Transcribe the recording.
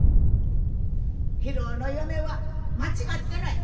博夫の嫁は間違ってない。